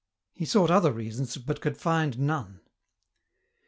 He sought other reasons but could find none.